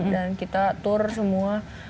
dan kita tour semua